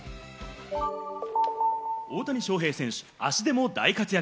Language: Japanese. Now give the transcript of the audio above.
大谷翔平選手、足でも大活躍！